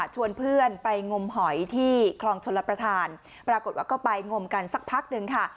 ชวนเพื่อนไปงมหอยที่คลองชลประธานปรากฏว่าก็ไปงมกันสักพักหนึ่งค่ะ